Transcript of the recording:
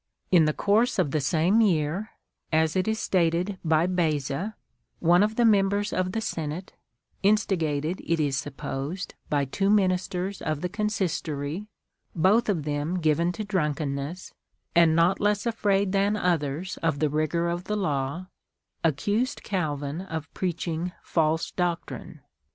"^ In the course of the same year (as is stated by Beza) one of the members of the senate, " instigated, it is supposed, by two ministers of the Consistory, both of them given to drunkenness, and not less afraid than others of the rigour of the law, accused Calvin of preaching false doctrine."